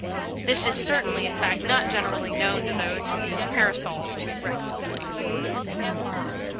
This is certainly a fact not generally known to those who use Parasols too recklessly.